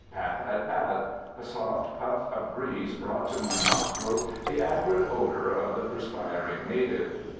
Pad! pad! pad! a soft puff of breeze brought to my nostrils the acrid odour of the perspiring native.